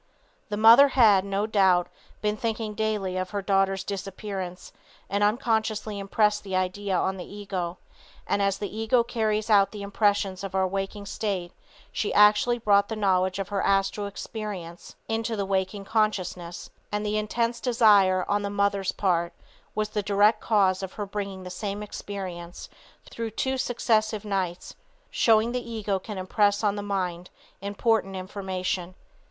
The mother had, no doubt, been thinking daily of her daughter's disappearance and unconsciously impressed the idea on the ego, and as the ego carries out the impressions of our waking state, she actually brought the knowledge of her astral experience into the waking consciousness, and the intense desire on the mother's part was the direct cause of her bringing the same experience through two successive nights, showing the ego can impress on the mind important information.